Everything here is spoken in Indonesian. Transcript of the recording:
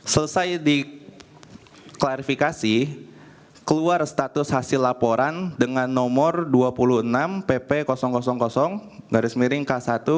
selesai diklarifikasi keluar status hasil laporan dengan nomor dua puluh enam pp k satu dua belas dua ribu dua puluh tiga